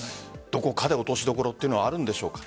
どこかで落としどころはあるんでしょうか。